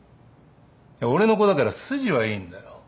いや俺の子だから筋はいいんだよ。